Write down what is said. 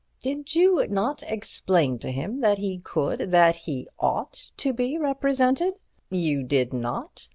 Did you not explain to him that he could—that he ought to be represented? You did not?